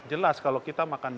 jelas kalau kita makan